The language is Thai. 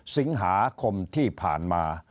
สิงหาคมที่ผ่านมา